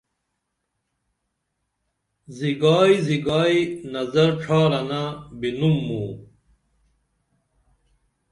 زیگائی زیگائی نظر ڇھارنہ بِنُم موں